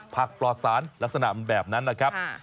ปลอดสารลักษณะแบบนั้นนะครับ